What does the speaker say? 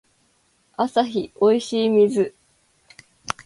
アサヒおいしい水